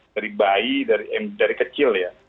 dari bayi dari kecil ya